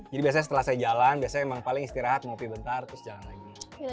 jadi biasanya setelah saya jalan biasanya memang paling istirahat ngopi bentar terus jalan lagi